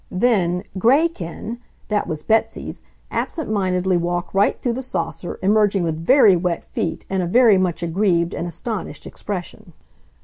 Then Graykin (that was Betsy's) absent mindedly walked right through the saucer, emerging with very wet feet and a very much aggrieved and astonished expression.